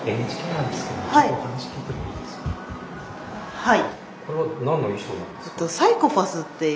はい。